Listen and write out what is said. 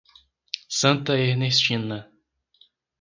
Santa Ernestina